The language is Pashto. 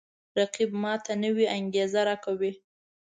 رقیب ما ته نوی انگیزه راکوي